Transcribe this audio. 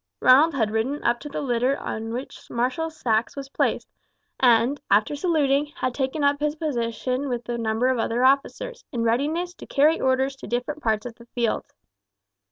Ronald had ridden up to the litter on which Marshal Saxe was placed, and after saluting, had taken up his position with a number of other officers, in readiness to carry orders to different parts of the field.